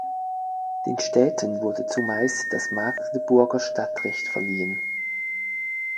Den Städten wurde zumeist das Magdeburger Stadtrecht verliehen.